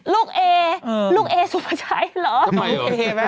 ลูกเอลูกเอสุภาชัยเหรอลูกเอแม่